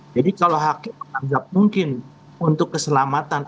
jadi kalau hakim menanggap mungkin untuk keselamatan atau